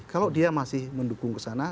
kalau dia masih mendukung kesana